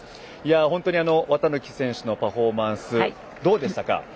本当に綿貫選手のパフォーマンスどうでしたか？